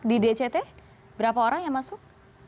di dct berapa orang yang masuk